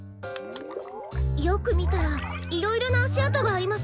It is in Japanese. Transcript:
よくみたらいろいろなあしあとがあります。